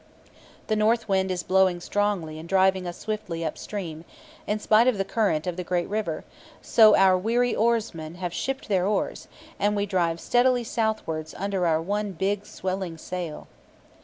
The north wind is blowing strongly and driving us swiftly upstream, in spite of the current of the great river; so our weary oarsmen have shipped their oars, and we drive steadily southwards under our one big swelling sail.